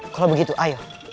kalau begitu ayo